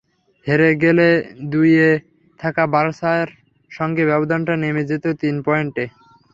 হেরে গেলে দুইয়ে থাকা বার্সার সঙ্গে ব্যবধানটা নেমে যেত তিন পয়েন্টে।